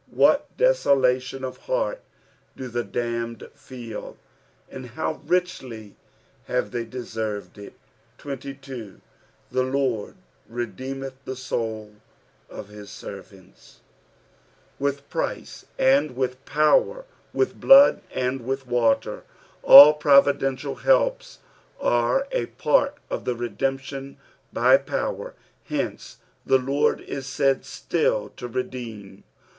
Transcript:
What desolatlun of heart do the damned feel, and how riehly have they deserved it 1 23. " The Lord rtdeemeth the toul of hi* eenantt" —yiith price and with power, with blood and with water. All providential helps arc a part of the redemption by power, hence the Lord is said still to redeem.